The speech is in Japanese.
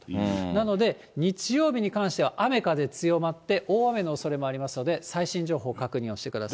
なので、日曜日に関しては、雨風強まって大雨のおそれもありますので、最新情報、確認をしてください。